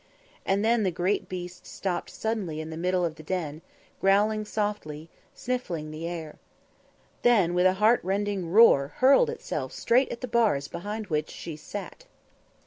And then the great beast stopped suddenly in the middle of the den, growling softly, snuffing the air. Then, with heartrending roar hurled itself straight at the bars behind which she sat.